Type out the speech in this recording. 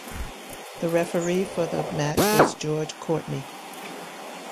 The referee for the match was George Courtney.